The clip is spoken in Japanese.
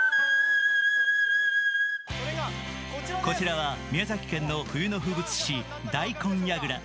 こちらは宮崎県の冬の風物詩大根やぐら。